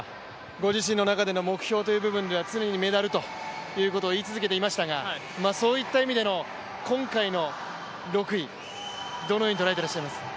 ご自身の中での目標という部分では常にメダルと言い続けておられましたが、そういった意味での今回の６位、どのように捉えていらっしゃいますか。